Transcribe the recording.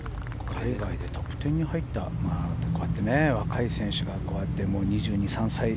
海外でトップ１０に入った若い選手が２２２３歳。